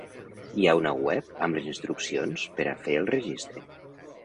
Hi ha una web amb les instruccions per a fer el registre.